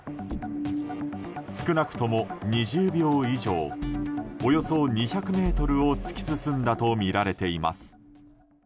少なくとも２０秒以上およそ２００ｍを突き進んだとみられています。